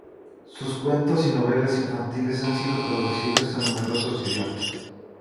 Sus cuentos y novelas infantiles han sido traducidas a numerosos idiomas.